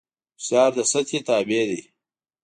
فشار د سطحې تابع دی.